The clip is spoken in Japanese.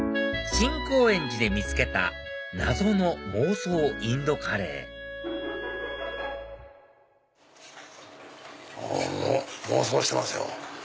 新高円寺で見つけた謎の妄想インドカレー妄想してますよ。